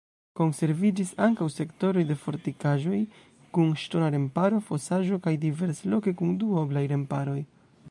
Konserviĝis ankaŭ sektoroj de fortikaĵoj kun ŝtona remparo, fosaĵo kaj diversloke kun duoblaj remparoj.